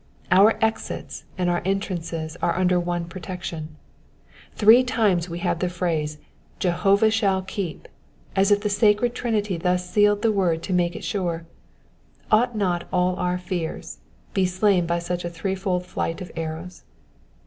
Our exits and our entrances are under one protection. Three times have we the phrase, "Jehovah shall keep,'' as if the sacred Trinity thus sealed the word to make it sure : ought not all our fears to be slain by such a threefold flight of arrows?